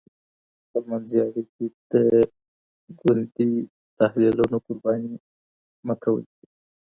خپلمنځي اړیکې د ګوندي تحلیلونو قرباني مه کوئ.